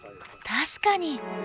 確かに。